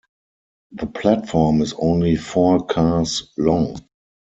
The platform is only four cars long.